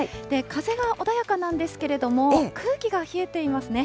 風は穏やかなんですけれども、空気が冷えていますね。